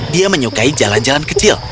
dia menyukai jalan jalan kecil